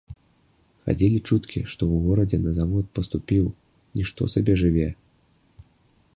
Хадзілі чуткі, што ў горадзе на завод паступіў, нішто сабе жыве.